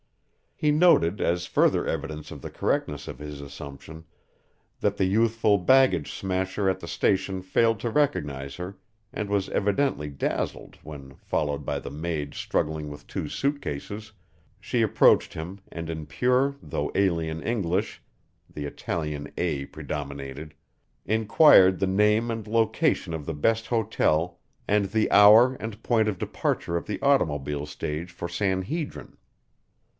He noted, as further evidence of the correctness of his assumption, that the youthful baggage smasher at the station failed to recognize her and was evidently dazzled when, followed by the maid struggling with two suit cases, she approached him and in pure though alien English (the Italian A predominated) inquired the name and location of the best hotel and the hour and point of departure of the automobile stage for San Hedrin.